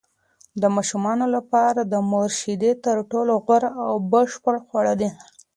د ماشومانو لپاره د مور شیدې تر ټولو غوره او بشپړ خواړه دي.